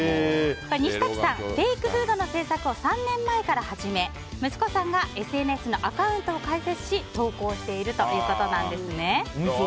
西瀧さんフェイクフードの制作を３年前から始め、息子さんがＳＮＳのアカウントを開設し投稿しているということなんです。